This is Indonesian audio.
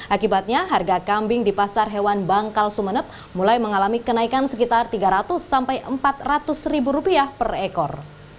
akibatnya harga kambing di pasar hewan bangkal sumeneb mulai mengalami kenaikan sekitar tiga ratus sampai empat ratus ribu rupiah per ekor